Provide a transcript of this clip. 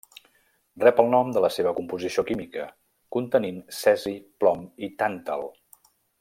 Rep el nom de la seva composició química, contenint cesi, plom i tàntal.